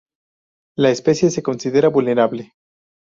La especie se considera vulnerable.